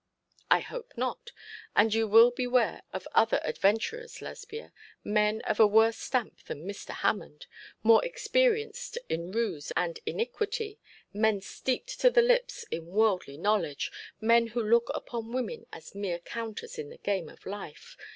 'I hope not. And you will beware of other adventurers, Lesbia, men of a worse stamp than Mr. Hammond, more experienced in ruse and iniquity, men steeped to the lips in worldly knowledge, men who look upon women as mere counters in the game of life.